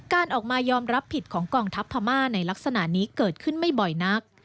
การออกมายอมรับผิดของกองทัพพม่าในลักษณะนี้เกิดขึ้นไม่บ่อยนัก